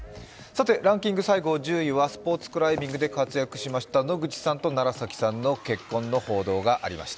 １０位はスポーツクライミングで活躍しました野口さんと楢崎さんの結婚の報道がありました。